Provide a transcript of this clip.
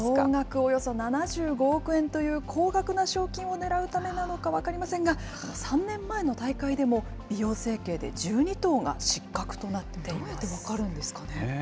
およそ７５億円という高額な賞金を狙うためなのか分かりませんが、３年前の大会でも、美容整形で１２頭が失格となっています。